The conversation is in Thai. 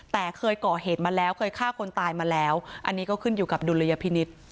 แต่เคยก่อเหตุมาแล้วเคยฆ่าคนตายมาแล้วอันนี้ก็ขึ้นอยู่กับดุลยพินิษฐ์